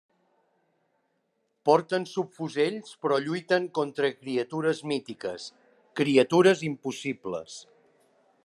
Porten subfusells però lluiten contra criatures mítiques, criatures impossibles.